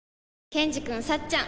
ケンジくんさっちゃん